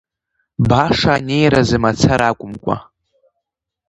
Баша анеиразы мацара акәымкәа.